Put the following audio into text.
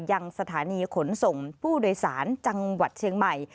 ยังสถานีขนส่งผู้โดยสารจังหวัดเชียงใหม่